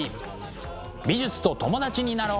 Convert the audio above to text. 美術と友達になろう！